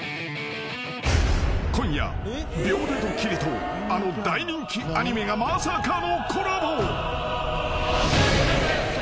［今夜秒でドッキリとあの大人気アニメがまさかのコラボ］